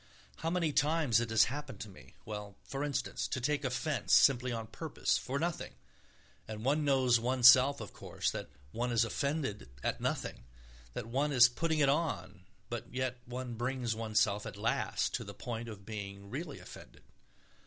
How many times it has happened to me—well, for instance, to take offence simply on purpose, for nothing; and one knows oneself, of course, that one is offended at nothing; that one is putting it on, but yet one brings oneself at last to the point of being really offended.